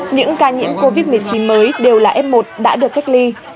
những ca nhiễm covid một mươi chín mới đều là f một đã được cách ly